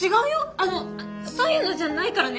あのそういうのじゃないからね？